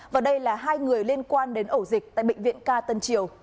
và đây là hai người liên quan đến ẩu dịch tại bệnh viện ca tân triều